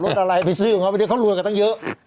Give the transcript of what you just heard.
รถอะไรประทานคอนโรยตั้งเยอะ